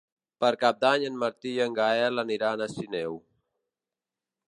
Per Cap d'Any en Martí i en Gaël aniran a Sineu.